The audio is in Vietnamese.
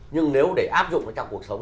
nhưng nếu để áp dụng nó trong cuộc sống